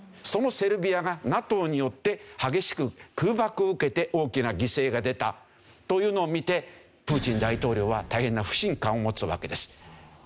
そのセルビアがＮＡＴＯによって激しく空爆を受けて大きな犠牲が出たというのを見てプーチン大統領は大変な不信感を持つわけです。